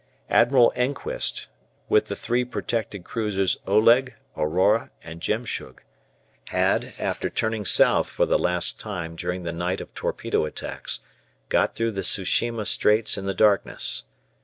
Admiral Enquist, with the three protected cruisers "Oleg," "Aurora," and "Jemschug," had, after turning south for the last time during the night of torpedo attacks, got through the Tsu shima Straits in the darkness.